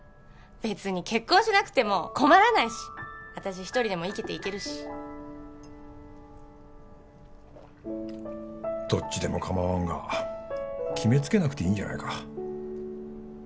別に結婚しなくても困らないし私一人でも生きていけるしどっちでもかまわんが決めつけなくていいんじゃないか？